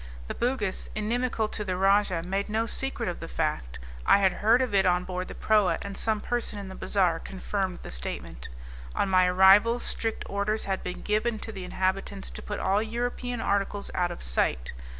The Bugis, inimical to the rajah, made no secret of the fact; I had heard of it on board the proa, and some person in the bazaar confirmed the statement. On my arrival, strict orders had been given to the inhabitants to put all European articles out of sight.